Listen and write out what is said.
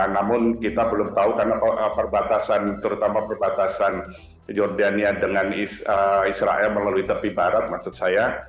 namun kita belum tahu karena perbatasan terutama perbatasan jordania dengan israel melalui tepi barat maksud saya